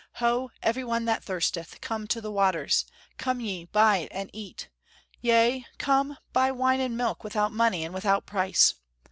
"Ho, every one that thirsteth, come to the waters! Come ye, buy and eat! Yea, come, buy wine and milk without money and without price!...